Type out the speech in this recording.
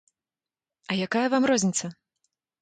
А якая вам розніца?